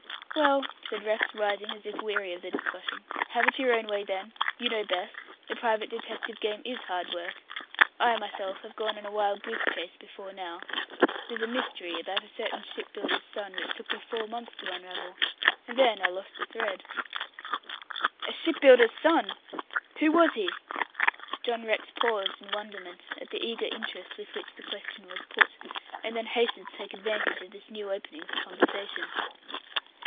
"Well," said Rex, rising, as if weary of the discussion, "have it your own way, then. You know best. The private detective game is hard work. I, myself, have gone on a wild goose chase before now. There's a mystery about a certain ship builder's son which took me four months to unravel, and then I lost the thread." "A ship builder's son! Who was he?" John Rex paused in wonderment at the eager interest with which the question was put, and then hastened to take advantage of this new opening for conversation.